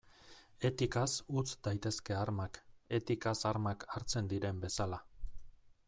Etikaz utz daitezke armak, etikaz armak hartzen diren bezala.